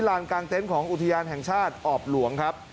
ลานกลางเต็นต์ของอุทยานแห่งชาติออบหลวงครับ